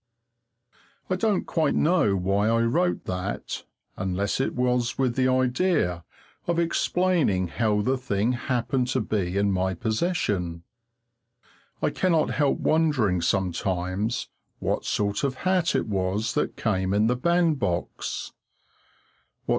I don't quite know why I wrote that, unless it was with the idea of explaining how the thing happened to be in my possession. I cannot help wondering sometimes what sort of hat it was that came in the bandbox.